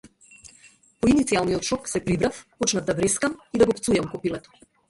По иницијалниот шок, се прибрав, почнав да врескам и да го пцујам копилето.